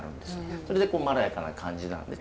それでまろやかな感じなんです。